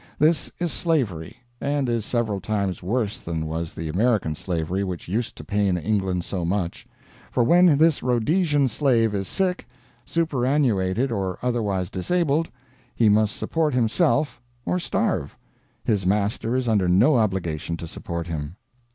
This is slavery, and is several times worse than was the American slavery which used to pain England so much; for when this Rhodesian slave is sick, super annuated, or otherwise disabled, he must support himself or starve his master is under no obligation to support him.